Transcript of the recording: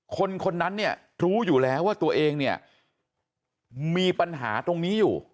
คนคนนั้นเนี่ยรู้อยู่แล้วว่าตัวเองเนี่ยมีปัญหาตรงนี้อยู่